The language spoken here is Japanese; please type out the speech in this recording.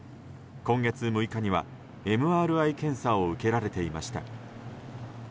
今月６日には、ＭＲＩ検査を受けられていました。